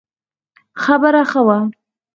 خبر ښه وو